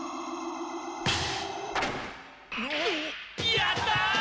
「やった」